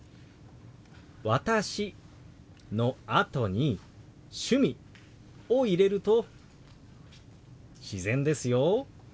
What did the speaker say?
「私」のあとに「趣味」を入れると自然ですよ。